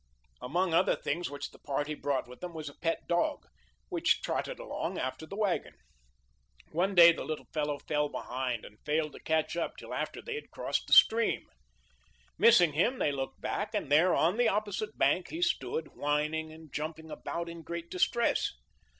Among other things which the party brought with them was a pet dog, which trotted along after the wagon. One day the little fellow fell behind and failed to catch up till after they had crossed the stream. Missing him they looked back, and there, on the opposite bank, he stood, whining and jump ing about in great distress.